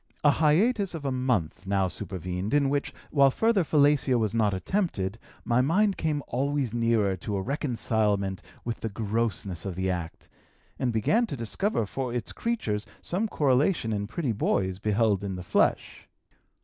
A hiatus of a month now supervened, in which, while further fellatio was not attempted, my mind came always nearer to a reconcilement with the grossness of the act, and began to discover for its creatures some correlation in pretty boys beheld in the flesh.